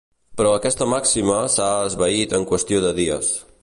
Però aquesta màxima s’ha esvaït en qüestió de dies.